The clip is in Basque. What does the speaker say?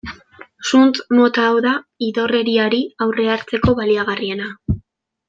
Zuntz mota hau da idorreriari aurre hartzeko baliagarriena.